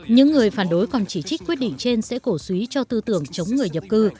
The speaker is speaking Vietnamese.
những người phản đối còn chỉ trích quyết định trên sẽ cổ suý cho tư tưởng chống người nhập cư